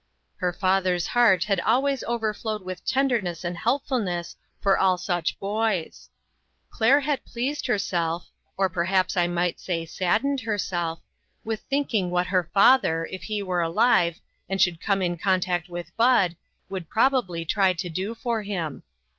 Her father's heart had always overflowed with tenderness and helpfulness for all such boys. Claire had pleased herself or perhaps I might say saddened herself with thinking what her father, if he were alive, and should come in contact with Bud, would probably try to do for him.